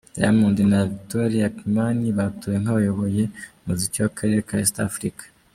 Diamond na Victoria Kimani batowe nk'abayoboye umuziki w'akarere ka East Africa.